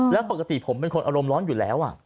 แล้วปกติผมเป็นคนอารมณ์ร้อนอยู่แล้ว